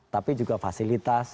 tapi juga fasilitas